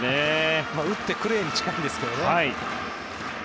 打ってくれ！に近いんですけどね。